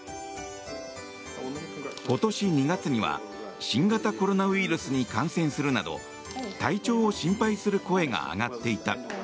今年２月には新型コロナウイルスに感染するなど体調を心配する声が上がっていた。